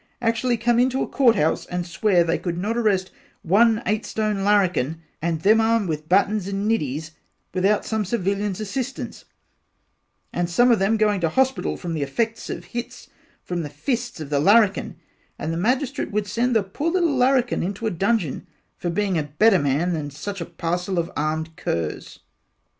actually come into a court house and swear they could not arrest one eight stone larrakin and them armed with battens and neddies without some civilians assistance and some of them going to the hospital from the affects of hits from the fists of the larrakin and the Magistrate would send the poor little Larrakin into a dungeon for being a better man than such a parcel of armed curs.